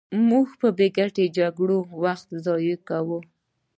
موږ په بې ګټې جګړو وخت ضایع کوو.